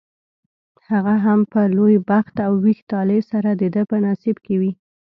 هغه هم په لوی بخت او ویښ طالع سره دده په نصیب کې وي.